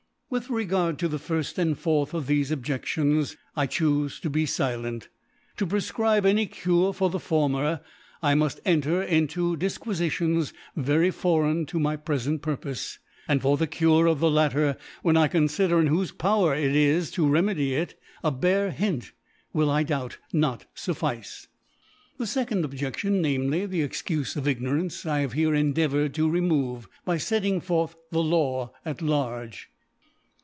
With Regard to the firft and fourth of thefe Objeftions, I chufe to be filent ; To prefer ibe any Cure for the former, I muft enter into Difquifitions very foreign to my. prefent Purpofc 5 and for the Cure of the latter, when I confider in whofe Power it is to remedy it, a bare Hint will, I doubc not, fufficc. The fecond Objection, namely, the Ex cufe of Ignorance, I have here endeavoured to remove by fetting forth the Law at large.